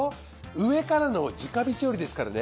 上からの直火調理ですからね。